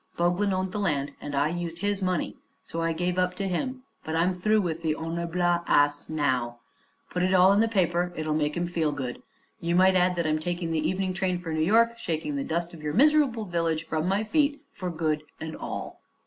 Boglin owned the land and I used his money, so I gave up to him; but I'm through with the honer'ble ass now. Put it all in the paper; it'll make him feel good. You might add that I'm taking the evening train for New York, shaking the dust of your miserable village from my feet for good and all."